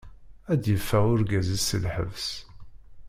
Ad d-yeffeɣ urgaz-is si lḥebs.